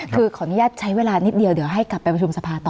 คือขออนุญาตใช้เวลานิดเดียวเดี๋ยวให้กลับไปประชุมสภาต่อ